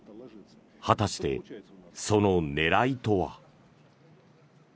果たして、その狙いとは。